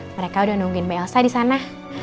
mereka udah nungguin mbak elsa disana